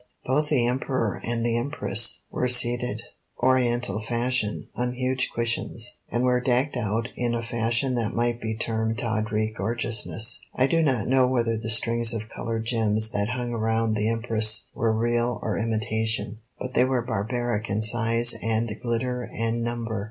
Both the Emperor and the Empress were seated, Oriental fashion, on huge cushions, and were decked out in a fashion that might be termed tawdry gorgeousness. I do not know whether the strings of colored gems that hung around the Empress were real or imitation, but they were barbaric in size and glitter and number.